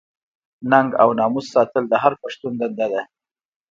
ننګ او ناموس ساتل د هر پښتون دنده ده.